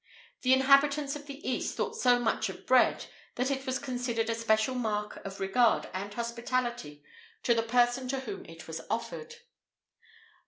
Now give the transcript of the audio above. [IV 9] The inhabitants of the East thought so much of bread, that it was considered a special mark of regard and hospitality to the person to whom it was offered.